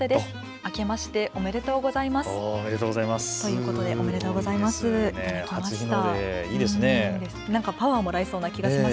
明けましておめでとうございます。ということでおめでとうございます。